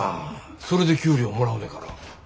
それで給料もらうねから。